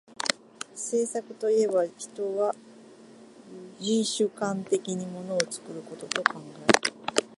製作といえば、人は唯主観的に物を作ることと考える。